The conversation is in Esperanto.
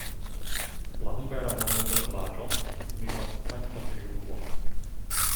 La hungara nomo de la vilaĝo signifas Sankta Triunuo.